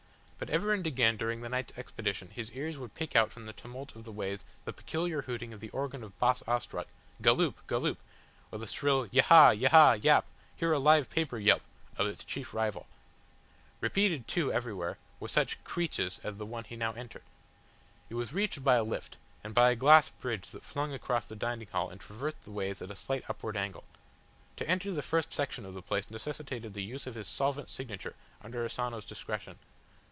But ever and again during the night's expedition his ears would pick out from the tumult of the ways the peculiar hooting of the organ of Boss Ostrog, "Galloop, Galloop!" or the shrill "Yahaha, Yaha Yap! Hear a live paper yelp!" of its chief rival. Repeated, too, everywhere, were such crèches as the one he now entered. It was reached by a lift, and by a glass bridge that flung across the dining hall and traversed the ways at a slight upward angle. To enter the first section of the place necessitated the use of his solvent signature under Asano's direction.